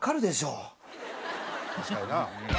「確かにな」